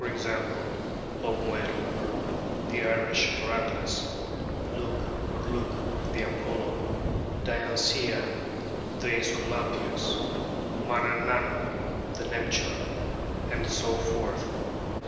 g._, Ogmuir, the Irish Heracles; Lug or Lugh, the Apollo; Diancéa, the Esculapius; Manannan, the Neptune; and so forth.